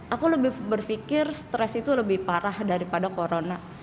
aku lebih berpikir stres itu lebih parah daripada corona